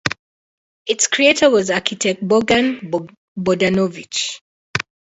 Its creator was architect Bogdan Bogdanovich.